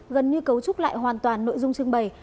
gần như cấu trúc lại hoàn toàn nội dung trưng bày